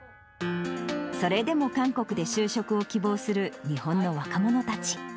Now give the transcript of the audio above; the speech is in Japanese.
それでも韓国で就職を希望する日本の若者たち。